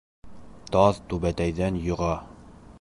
Таҙ түбәтәйҙән йоға.